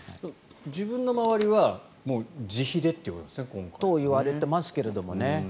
自分の周りは自費でということですね。といわれてますけどね。